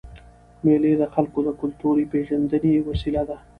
مېلې د خلکو د کلتوري پېژندني وسیله ده.